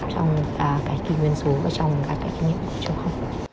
trong kỹ nguyên số và trong kỹ nguyên số